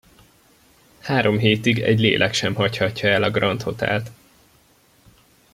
Három hétig egy lélek sem hagyhatja el a Grand Hotelt.